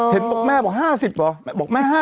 เห็นบอกแม่บอก๕๐หรอบอกแม่๕๐หรอ